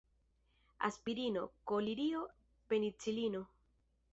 Aspirino, kolirio, penicilino.